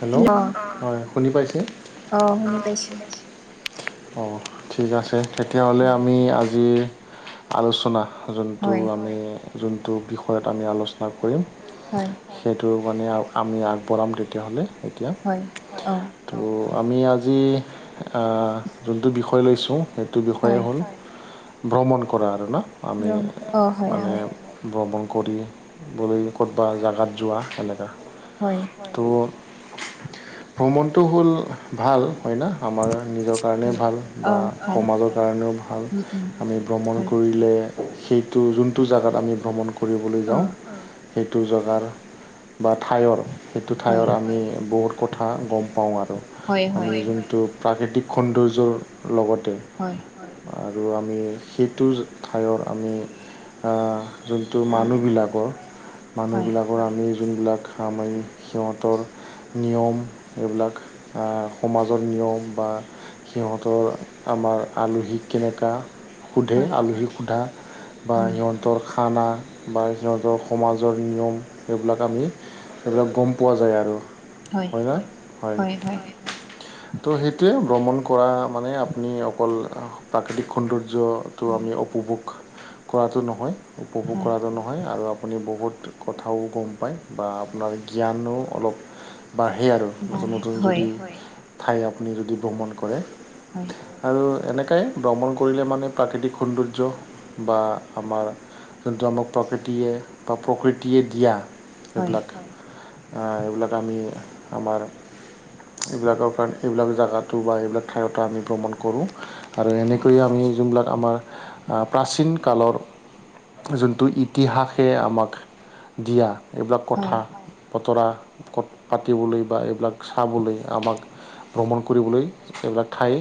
Hello হয় শুনি পাইছে? অ শুনি পাইছোঁ অ' ঠিক আছে, তেতিয়াহ'লে হয় আমি আজিৰ আলোচনা যোনটো হয় আমি যোনটো বিষয়ত আমি আলোচনা কৰিম হয়। সেইটো মানে আ আমি আগবঢ়াম তেতিয়াহ'লে। হয় অ'। ত' আমি আজি অ যোনটো বিষয় লৈছোঁ সেইটো বিষয়ে হয় হ'ল ভ্ৰমণ কৰা আৰু ন আমি ব্ৰহ্ম অ হয় মানে হয় ভ্ৰমণ কৰিবলৈ ক'তবা জেগাত যোৱা এনেকা। হয়। ত' ভ্ৰমণটো হ'ল ভাল হয় না? আমাৰ নিজৰ কাৰণেও হয় ভাল অ বা ভাল সমাজৰ কাৰণেও ভাল। উম উম আমি ভ্ৰমণ হয় কৰিলে সেইটো যোনটো জেগাত আমি ভ্ৰমণ কৰিবলৈ অ যাওঁ সেইটো জেগাৰ বা ঠাইৰ সেইটো হয় ঠাইৰ আমি বহুত কথা গ'ম পাওঁ আৰু, হয় হয় আমি যোনটো প্ৰাকৃতিক সৌন্দৰ্যৰ লগতে হয় আৰু আমি সেইটো ঠাইৰ আমি আহঁ যোনটো মানুহবিলাকৰ হয় মানুহবিলাকৰ আমি যোনবিলাক সামাইক সিহঁতৰ নিয়ম এইবিলাক অ সমাজৰ নিয়ম বা সিহঁতৰ আমাৰ আলহীক কেনেকা সোধে হয় আলহীক সোধা। বা উম সিহঁতৰ খানা বা সিহঁতৰ সমাজৰ নিয়ম সেইবিলাক আমি সেইবিলাক গ'ম পোৱা যায় আৰু হয় না? হয়। ত' সেইটোৱে ভ্ৰমণ কৰা মানে আপুনি অকল প্ৰাকৃতিক সৌন্দৰ্যটো হয় আমি উপভোগ কৰাটো নহয়। উপভোগ হয় কৰাটো নহয়, আৰু আপুনি বহুত কথাও গম পায় বা আপোনাৰ জ্ঞানো অলপ বাঢ়ে আৰু নতুন বাৰু নতুন হয় যদি ঠাই আপুনি যদি ভ্ৰমণ কৰে। হয়। আৰু এনেকাই ভ্ৰমণ কৰিলে মানে প্ৰাকৃতিক সৌন্দৰ্য বা আমাৰ যোনটো আমাক প্ৰকৃতিয়ে বা প্ৰকৃতিয়ে দিয়া হয় এইবিলাক এ এইবিলাক আমি আমাৰ এইবিলাকৰ কাৰণে এইবিলাক জাগাটো বা এইবিলাক ঠাইৰতো আমি ভ্ৰমণ কৰোঁ। আৰু হয় এনেকৈয়ে আমি যোনবিলাক আমাৰ আ প্ৰাচীন কালৰ যোনটো ইতিহাসে আমাক দিয়া এইবিলাক হয় কথা বতৰা ক পাতিবলৈ বা এইবিলাক চাবলৈ আমাক ভ্ৰমণ কৰিবলৈ এইবিলাক ঠাই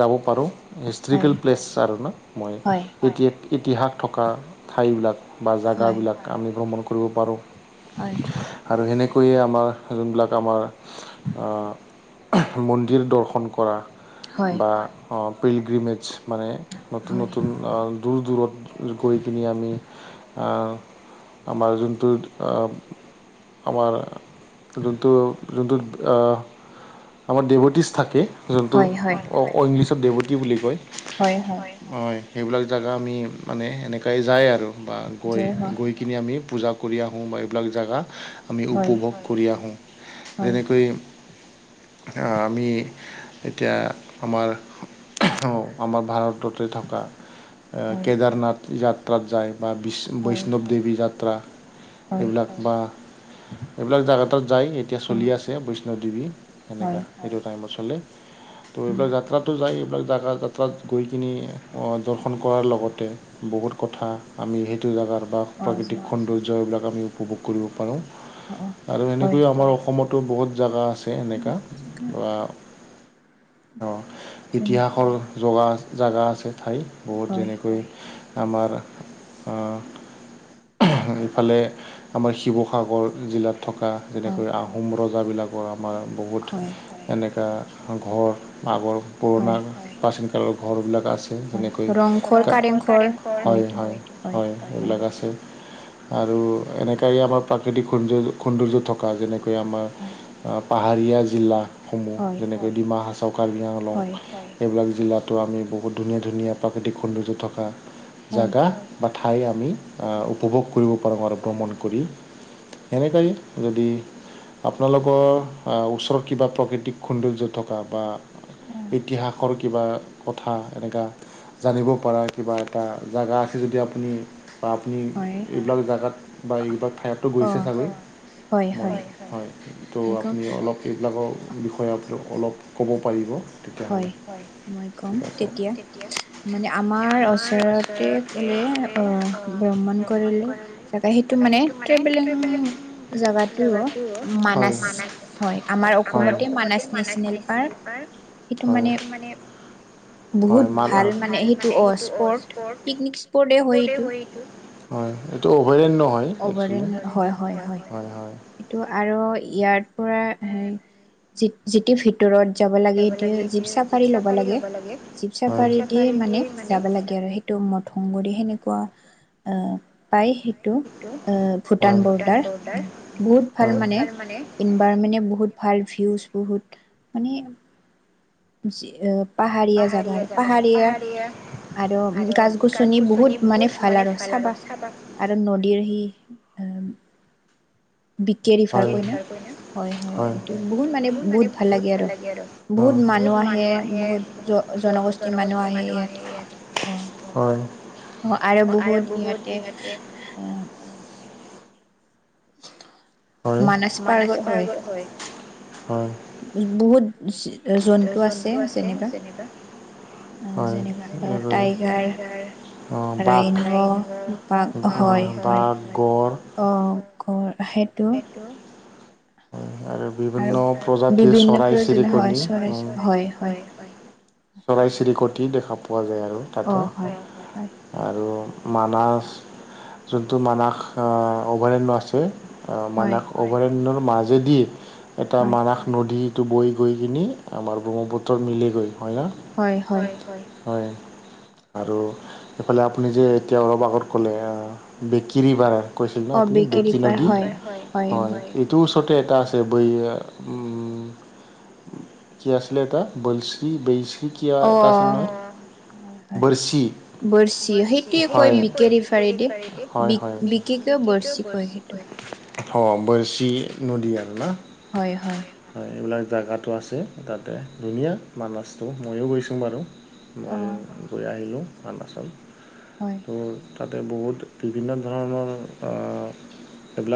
যাব পাৰোঁ। হয় হিষ্ট্ৰীকেল প্লেছ আৰু ন, মই হয় হয় ইতি ইতিহাস থকা ঠাইবিলাক বা জাগা হয় বিলাক আমি ভ্ৰমণ কৰিব পাৰোঁ। হয়। আৰু সেনেক কৈয়ে আমাৰ যোনবিলাক আমাৰ আ মন্দিৰ দৰ্শন কৰা বা অঁ পিলগ্ৰীমেজ মানে নতুন নতুন অঁ দূৰ দূৰত গৈ কিনি আমি আ আমাৰ যোনটো অঁ আমাৰ যোনটো যোনটোত অহ আমাৰ দেভটিছ থাকে যোনটো হয় হয় অ অঁ ইংলিছত দেৱতী বুলি কয়। হয় হয়। হয় সেইবিলাক জাগা আমি মানে এনেকাই যায় আৰু বা গৈ জয় হ গৈ কিনি আমি পূজা কৰি আহোঁ বা এইবিলাক জাগা আমি হয় উপভোগ কৰি আহোঁ হয় যেনেকৈ আমি এতিয়া আমাৰ অঁ আমাৰ ভাৰত ততে থকা হয় কেদাৰনাথ যাত্ৰাত যায় বা বিশ্ব হয় বৈষ্ণৱ দেৱী যাত্ৰা হয় এইবিলাক বা এইবিলাক জাগা তাত যায় এতিয়া হয় চলি আছে বৈষ্ণৱ দেৱী এনেকুৱা হয় এইটো টাইমত চলে। ত' উম এইবিলাক যাত্ৰাতো যায় এইবিলাক জাগা যাত্ৰাত গৈ কিনি দৰ্শন কৰাৰ লগতে বহুত কথা আমি সেইটো জাগাৰ বা অ প্ৰাকৃতিক সৌন্দৰ্য এইবিলাক আমি উপভোগ কৰিব পাৰোঁ। আৰু হয় এনেকৈয়ে আমাৰ অসমতো বহুত জাগা আছে এনেকুৱা বা অ যেনে ইতিহাসৰ জগা জাগা আছে ঠাই বহুত হয় যেনেকৈ আমাৰ অঁ ইফালে আমাৰ শিৱসাগৰ জিলাত থকা অ যেনেকৈ আহোম ৰজা বিলাকৰ আমাৰ বহুত হয় এনেকা ঘৰ আগৰ হয় পুৰণা প্ৰাচীন কালৰ ঘৰবিলাক আছ আছে যেনেকৈ, ৰংঘৰ, কাৰেংঘৰ হয় হয় হয় এইবিলাক আছে। আৰু এনেকাই আমাৰ প্ৰাকৃতিক সৌন্দৰ্য সৌন্দৰ্য থকা যেনেকৈ আমাৰ হয় অ পাহাৰীয়া জিলাসমূহ হয় যেনেকৈ ডিমা হাচও, কাৰ্বি আংলং হয় এইবিলাক জিলাতো আমি বহুত ধুনীয়া ধুনীয়া প্ৰাকৃতিক সৌন্দৰ্য থকা জাগা। বা ঠাই আমি আ উপভোগ কৰিব পাৰোঁ আৰু ভ্ৰমণ কৰি, সেনেকাইয়ে। যদি আপোনালোকৰ ওচৰত কিবা প্ৰাকৃতিক সুন্দৰ্য্য থকা বা ইতিহাসৰ কি কিবা কথা এনেকুৱা জানিব পৰা কিবা এটা জেগা আছে যদি আপুনি বা আপুনি হয় এইবিলাক জেগাত বা এইবিলাক ঠাইতো অ গৈছে চাগৈ। হয়, হয় মই ত' কম আপুনি অলপ এইবিলাকৰ বিষয়ে অলপ ক'ব পাৰিব? তেতিয়াহ'লে হয় মই কম ঠিক আছে তেতিয়া মানে আমাৰ ওচৰত তে কলে আহ, ভ্ৰমণ কৰিলে চাগে সেইটো মানে ট্ৰেভেলিং জেগাটো হয় মানাছ হয়, আমাৰ অসমতে মানাছ নেশ্যনেল পাৰ্ক। হয়, সেইটো মানে হয়, বহুত মানাহ বহুত ভাল মানে অ সেইটো অন স্পট স্পৰ্ত। পিকনিক স্পটে হয় এইটো হয়, এইটো অভয়াৰণ্য হয়। একচুৱেলি অভয়াৰণ্য হয়, হয়, হয় হয়। এইটো আৰু ইয়াত পৰা যিতিটো ভিতৰত যাব লাগে, তেতিয়া জীপ চাফাৰি ল'ব লাগে। জীৱ চাফাৰি দিয়ে মানে যাবা লাগে আৰু সেই টো মত সংগৰি সেনেকুৱা আহ, পায় সেইটো। আহ, ভূটান বৰ্ডাৰ, বহুত ভাল মানে বাৰ মানে বহুত ভাল ভিউজ বহুত, মানে পাহাৰীয়া জাগাৰ, পাহাৰীয়া আৰু গাছ-গছনি বহুত মানে ভাল, আৰু চাবা। আৰু নদীৰ সি বি কে ৰিফাৰ কয় ন' হয়, হয় এই বহুত মানে বহুত ভাল লাগে আৰু। লাগে আৰু। বহুত মানুহ আহে বহুত জন জনগোষ্ঠীৰ মানুহ আহে ইয়াত অ' হয়। আৰু বহুত ইয়াতে হয়, মানস মানচ পাৰ্গত হয় পাৰ্কৰ হয়। বহুত জন্তু আছে যেনেবা। হয় যেননেবা, টাইগাৰ, এইবোৰে অ', বাঘ ৰাইন পা হয়, অ', হয় বাঘ অ' [unintelligible] সেইটো উম, আৰু বিভিন্ন প্ৰজাতিৰ বিভিন্ন চৰাই প্ৰয়োজনীয় হয় চিৰিকণি চৰাই উম, হয়, হয়। [unintelligible] চৰাই-চিৰিকটি দেখা পোৱা যায়, আৰু অ তাতে। হয় হয় আৰু মানছ, যোনটো মানাস আহ, অভয়াৰণ্য আছে। আহ, হয় মানাস অভয়াৰণ্যৰ মাজেদি এটা হয় মানাস নদীত বৈ গৈ কিনি আমাৰ ব্ৰহ্মপুত্ৰত মিল গৈ হয় না? হয়, হয়। হয়। আৰু এইফালে আপুনি যে এতিয়া অলপ আগত ক'লে বেকিৰিভাৰ কৈছিল ন' অ আপুনি বেকেৰী বেকি পাৰ নদী হয়, হয়। [unintelligible] এইটোৰ ওচৰতে এটা আছে, বৈ উম, কি আছিল এটা বছ্ৰী বেইছি কিয়া অ এটা আছিল নহয় হয় অ' হয় বৰ্ছি। বৰছি বৰ্চি, কয় সেইটোৱে কৈ বিকে ৰিফাৰেদি ৰিফাৰি দি, হয়, বি হয় বিকি কিয় বিকে কু বৰছি বাৰ্চি সেইটো কয়। অ' বাৰ্ছি নদী আৰু না? হয়, হয়। হয় এইবিলাক জেগাতটো আছে, তাতে ধুনীয়া মানাছটো মইও গৈছো বাৰু। অ মইয়ো গৈ আহিলোঁ অৰুণাচল। হয়। উম' তাতে বহুত বিভিন্ন ধৰণৰ অঁহ-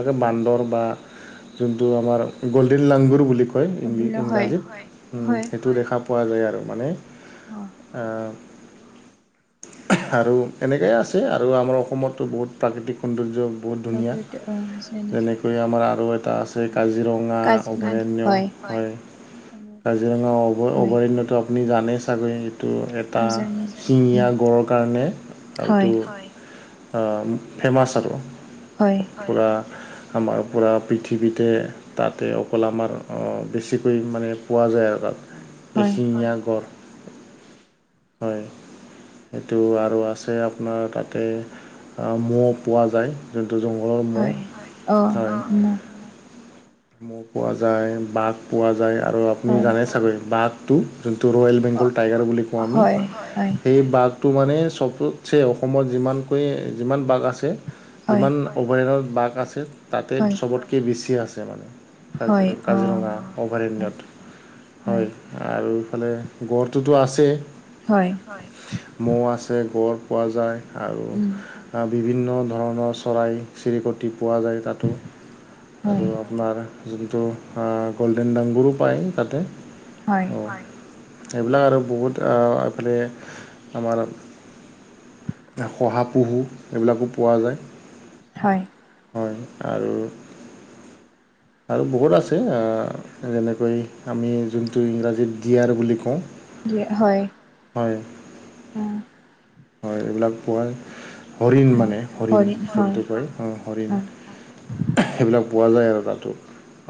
যে বান্দৰ বা যোনটো আমাৰ গ'ল্ডেন লাংগুৰ বুলি- কয় ইংৰাজীত, হয়, উম' হয় সেইটো দেখা পোৱা যায় আৰু মানে- অ অঁ। আৰু এনেকাই আছে আৰু আমাৰ অসমতো বহুত প্ৰাকৃতিক সৌন্দৰ্য- বহুত ধুনীয়া পাবৈ এতিয়া অঁ হৈছে। যেনেকৈ আমাৰ আৰু এটা আছে, কাজিৰঙা, অভয়াৰণ্য, হয়। কাজিৰঙা অভ হয় অভয়াৰণ্যতো অ- আপুনি জানেই চাগৈ এইটো এটা জানে শিঙীয়া গড় কাৰণে আৰু হয় এইটো, হয়'- আঁহ ফেমাচ আৰু। হয়, পুৰা আমাৰ পুৰা পৃথিৱীতে- তাতে অকল আমাৰ অঁ, বেছিকৈ মানে পোৱা যায় আৰু তাত। হয় এশিঙীয়া গঢ়, হয়। সেইটো আৰু আছে আপোনাৰ তাতে আঁ মৌ পোৱা যায়। যোনটো জংঘলৰ মৌ'হ। অহ, উম উম' না। মৌহ পোৱা যায় বাঘ পোৱা যায় আৰু আপুনি হয় জানে চাগৈ বাঘ টো যোনটো ৰয়েল- হয় বেংগল টাইগাৰ বুলি কওঁ আমি, হয় সেই বাঘ- টো মানে চবতছে অসমত যিমানকৈ যিমান বাঘ আছে, হয় সিমান- অভয়াৰণত বাঘ আছে তাতে হয় চবতকে বেছি আছে মানে হয় কাজীৰ অ কাজিৰঙা- অভাৰণ্যত। হয়, আৰু ইফালে, গড়টোতো আছেই। হয়। মৌ আছে গঁড় পোৱা যায় উম, আৰু- আঁ বিভিন্ন ধৰণৰ চৰাই-চিৰিকটি পোৱা যায়। তাতো। হয়, আৰু আপোনাৰ যোনটো আঁ গ'ল্ডেন ডাংগুৰো পায় তাতে। অঁ, হয়, এইবিলাক আৰু বহুত আ এইফালে আমাৰ- শহাপহু এইবিলাকো পোৱা যায়। হয়। হয়, আৰু- আৰু বহুত আছে আঁ যেনেকৈ, আমি জোনটো ইংৰাজীত দিয়াৰ বুলি কওঁ। য়ে হয়, হয় উম। হয়, এইবিলাক পোৱাৰ- হৰিণ হয়। মানে হৰিণ হয়, জোনটো কয় অঁ হৰিণ। হয়, সেইবিলাক পোৱা যায় আৰু তাতো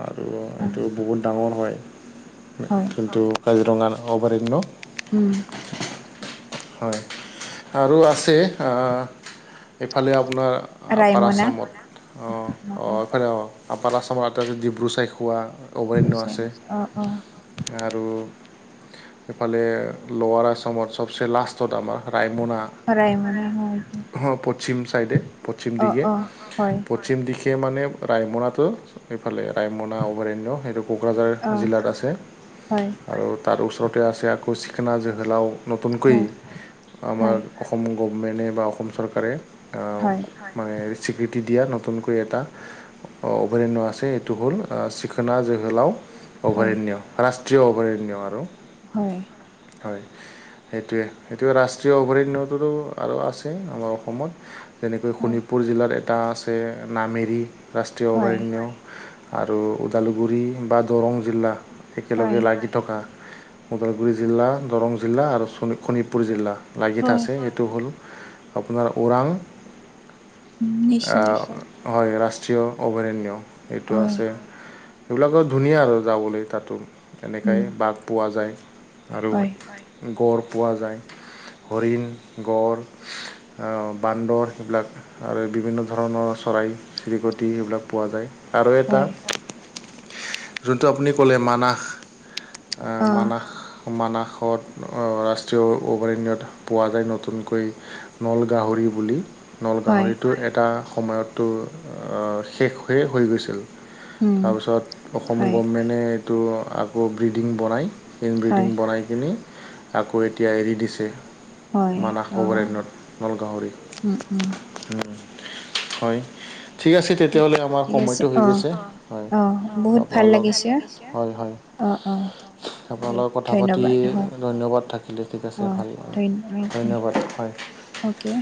আৰু অ', এইটো বহুত ডাঙৰ হয়। হয়, যোনটো কাজিৰঙাৰ অভাৰন্য। উম'। হয়, আৰু আছে আঁ এইফালে আপোনাৰ- আপাৰ ৰায়মনা আছামত অঁ অ' এইফালে অ' আপাৰ আছামত এটা আছে ডিব্ৰু চৈখোৱা। অভয়াৰণ্য বুজাই, আছে। অ', অ', আৰু সিফালে ল'ৱাৰ আছামত চব- চে লাষ্ট ত আমাৰ ৰাইমনা। ৰায়মনা হয়, দে, হঁ' প- শ্চিম চাইডে, পশ্চিম অ', দিশে। অ', হয়, পশ্চিম দিশে মানে ৰায়মনাটো- সেইফালে ৰায়মনা অভয়াৰণ্য, সেইটো কোকৰাঝাৰ অ', জিলাত আছে, হয়, আৰু তাৰ ওচৰতে আছে আকৌ, চিখনা জিহলাও, নতুনকৈ হয়, আমাৰ অসম গভমেণ্টে বা অসম চৰকাৰে আও, হয়। মানে স্বীকৃতি দিয়া নতুনকৈ এটা অভয়াৰণ্য আছে, এইটো হ'ল আ, চিখণা জেঙেলাও হয়, অভয়াৰণ্য, ৰাষ্ট্ৰীয় অভয়াৰণ্য আৰু। হয়। হয়। সেইটোৱে, সেইটোৱে অভয়াৰণ্যটোতো আৰু আছেই আমাৰ অসমত। তেনেকৈ হয়, শোণিতপুৰ জিলাত এটা আছে, নামেৰি ৰাষ্ট্ৰীয় হয়, অভয়াৰণ্য। আৰু ওদালগুৰি বা দৰং জিলা একেলগে হয়, লাগি থকা ওদালগুৰি জিলা, দৰং জিলা আৰু শোণিত শোণিতপুৰ জিলা। হয়, আছে, সেইটো হ'ল, আপোনাৰ ওৰাং আ, নেশ্যনেল পাৰ্ক হয়, ৰাষ্ট্ৰীয় অভয়াৰণ্য এইটো হয়, আছে। সেইবিলাকৰ ধুনীয়া আৰু যাবলৈ তাতো, উম, এনেকাই বাঘ পোৱা যায়। আৰু হয়, গড় পোৱা যায়। হৰিণ, গঁড়, বান্দৰ সেইবিলাক আৰু বিভিন্ন ধৰণৰ চৰাই-চিৰিকটি সেইবিলাক পোৱা যায়। আৰু এটা হয়, যোনটো আপুনি ক'লে মানাস অ', মানাস, মানাসত অ, ৰাষ্ট ৰাষ্ট্ৰীয় অভয়াৰণ্যত পোৱা যায়, নতুনকৈ নল গাহৰি বুলি। নল হয়, গাহৰিটো এটা সময়ত তোৰ শেষ হৈয়ে হৈ গৈছিল। উম, তাৰপিছত, অসম হয়, গভমেণ্টে এইটো আকৌ ব্ৰিডিং বনায় ইন হয়, ব্ৰিডিং বনাই কিনি আকৌ এতিয়া এৰি দিছে, হয়, মানস অ', অভয়াৰণ্যত নল উম, উম। গাহৰি। হয়। ঠিক আছে তেতিয়াহ'লে, আমাৰ ঠিক আছে সময়টো হৈ অঁ গৈছে। হয়, অঁ বহুত ভাল লাগিছে [unintelligible] হয়, হয়। অঁ, অঁ। আপোনাৰ দে লগত কথা পাতি ধন্যবাদ অঁ ধন্যবাদ থাক কিলে, ঠিক আছে, অঁ ভাল, ধন্য অ'কে ধন্যবাদ, হয়। অ'কে।